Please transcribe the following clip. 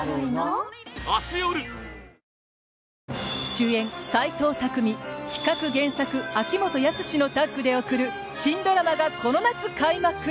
主演、斎藤工企画・原作、秋元康のタッグで送る新ドラマが、この夏開幕！